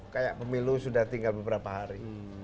kayak pemilu sudah tinggal beberapa hari